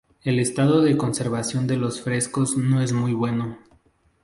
El estado de conservación de los frescos no es muy bueno.